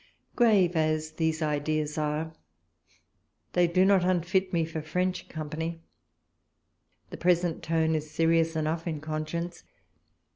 Grave as these ideas are, they do not unfit me walpole's letters. 117 for French company. The present tone is serious enough in conscience.